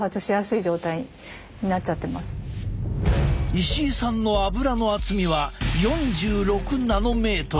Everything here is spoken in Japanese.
石井さんのアブラの厚みは４６ナノメートル。